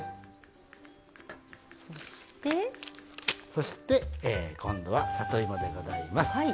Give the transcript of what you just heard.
そして、今度は里芋でございます。